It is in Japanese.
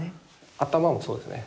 頭もそうですね